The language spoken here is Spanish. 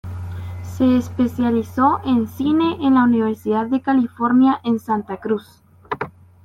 Se especializó en cine en la Universidad de California en Santa Cruz.